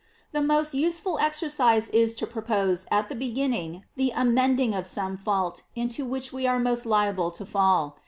The most useful exercise is to propose, at the beginning, the amending of Fome fault into which we are most liable to fall.